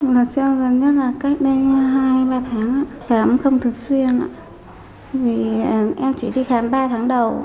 lần sau gần nhất là cách đây hai ba tháng khám không thường xuyên vì em chỉ đi khám ba tháng đầu